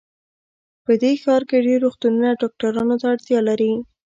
په دې ښار کې ډېر روغتونونه ډاکټرانو ته اړتیا لري